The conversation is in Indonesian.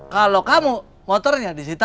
kalau kamu motornya disita